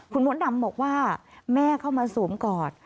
คุณมดดำบอกว่าแม่เข้ามาสวมกอด